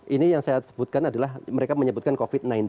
ini yang saya sebutkan adalah mereka menyebutkan covid sembilan belas